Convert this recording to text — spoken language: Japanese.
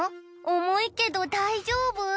「重いけど大丈夫？」